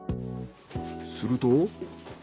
すると。